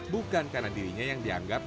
bukan karena dirinya yang dianggap